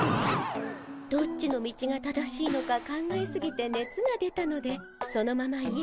どっちの道が正しいのか考えすぎてねつが出たのでそのまま家に帰り